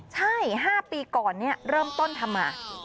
ใช่๕ปีก่อนเริ่มต้นทำมา